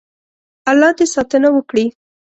الله دې ساتنه وکړي.